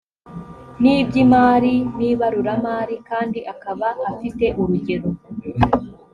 n iby imari n ibaruramari kandi akaba afite urugero